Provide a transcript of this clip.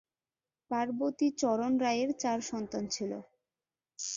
পার্বতী চরণ রায়ের চার সন্তান ছিল।